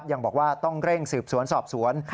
ยังบอกว่าต้องเร่งสืบสวนสอบสวน